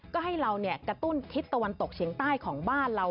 ก็ให้เรากระตุ้นทิศตะวันตกเฉียงใต้ของบ้านเรา